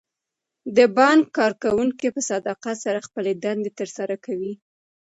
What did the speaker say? د بانک کارکوونکي په صداقت سره خپلې دندې ترسره کوي.